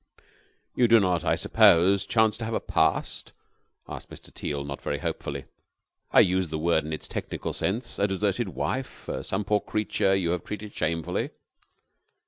"You do not, I suppose, chance to have a past?" asked Mr. Teal, not very hopefully. "I use the word in its technical sense. A deserted wife? Some poor creature you have treated shamefully?"